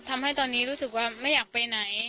ทำให้ตอนนี้รู้สึกว่าไม่อยากไปไหน